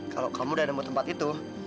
kalau kamu udah nemu tempat itu